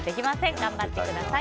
頑張ってください。